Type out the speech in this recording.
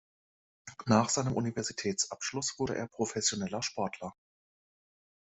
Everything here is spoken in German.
Nach seinem Universitätsabschluss wurde er professioneller Sportler.